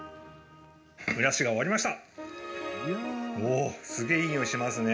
蒸らしが終わりました。